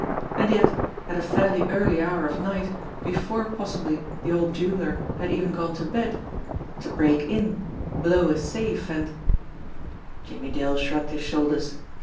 And yet, at a fairly early hour of night, before possibly the old jeweller had even gone to bed, to break in, blow a safe, and Jimmie Dale shrugged his shoulders.